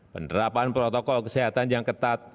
penerapan protokol kesehatan yang ketat